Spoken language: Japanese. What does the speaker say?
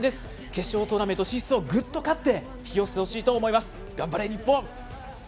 決勝トーナメント進出をぐっと勝って引き寄せてほしいと思います。